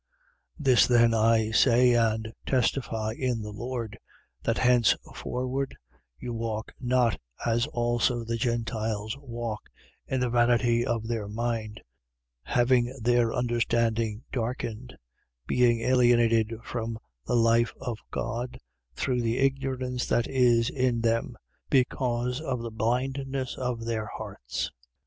4:17. This then I say and testify in the Lord: That henceforward you walk not as also the Gentiles walk in the vanity of their mind: 4:18. Having their understanding darkened: being alienated from the life of God through the ignorance that is in them, because of the blindness of their hearts.